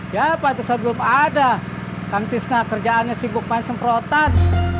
ya pak tissa belum ada kang tisna kerjaannya sibuk main semprotan